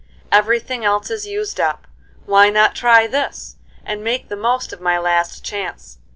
Every thing else is used up; why not try this, and make the most of my last chance?